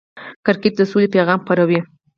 کرکټ د سولې پیغام خپروي.